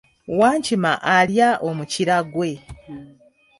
Wankima alya omukira gwe